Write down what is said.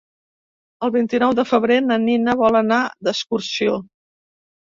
El vint-i-nou de febrer na Nina vol anar d'excursió.